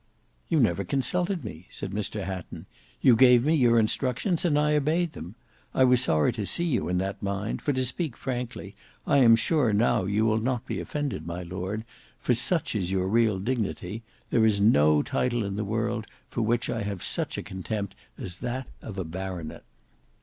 "You never consulted me," said Mr Hatton. "You gave me your instructions, and I obeyed them. I was sorry to see you in that mind, for to speak frankly, and I am sure now you will not be offended, my lord, for such is your real dignity, there is no title in the world for which I have such a contempt as that of a baronet."